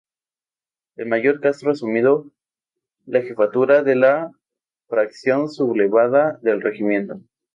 El mayor Castro asumió la jefatura de la fracción sublevada del regimiento.